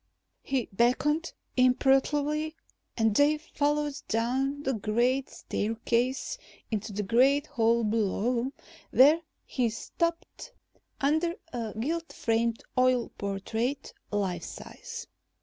He beckoned imperatively and they followed down the great staircase into the great hall below, where he stopped under a gilt framed oil portrait, life size.